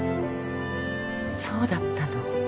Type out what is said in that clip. そうだったの。